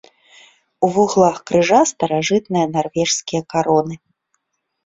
У вуглах крыжа старажытныя нарвежскія кароны.